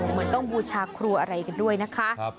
เหมือนต้องบูชาครัวอะไรกันด้วยนะคะ